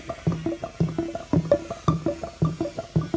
sudah menjadi tanda tanda yang menarik